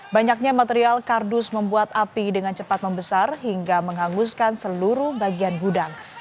banyaknya material kardus membuat api dengan cepat membesar hingga menghanguskan seluruh bagian gudang